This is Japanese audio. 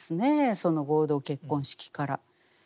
その合同結婚式から。